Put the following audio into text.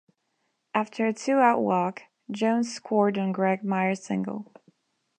After a two-out walk, Jones scored on Greg Myers's single.